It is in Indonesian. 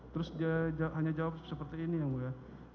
terus dia hanya jawab seperti ini yang mulia